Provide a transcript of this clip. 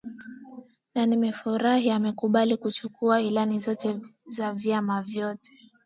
na nimefurahi amekumbali kuchukua ilani zote za vyama vyote